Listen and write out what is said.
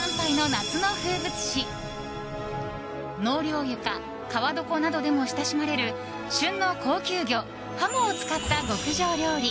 納涼床、川床などでも親しまれる旬の高級魚ハモを使った極上料理。